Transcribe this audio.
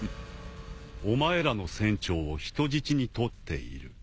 お前らの船長を人質に取っている。